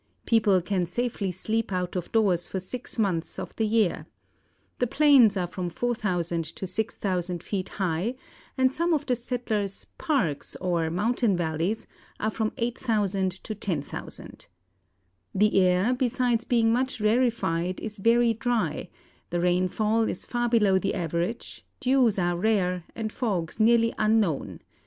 People can safely sleep out of doors for six months of the year. The plains are from 4,000 to 6,000 feet high, and some of the settled 'parks,' or mountain valleys, are from 8,000 to 10,000. The air, besides being much rarefied, is very dry; the rainfall is far below the average, dews are rare, and fogs nearly unknown.